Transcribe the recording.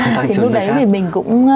lúc đấy thì mình cũng